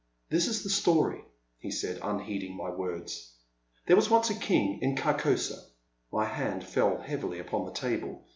This is the story," he said, unheeding my words. There was once a King in Carcosa —" My hand fell heavily upon the table.